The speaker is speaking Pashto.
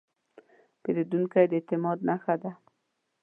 پیرودونکی د اعتماد نښه ده.